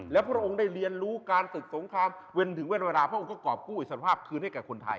แล้วพระองค์ได้เรียนรู้การศึกสงครามถึงเวลาพระองค์ก็กรอบกู้อิสรภาพคืนให้กับคนไทย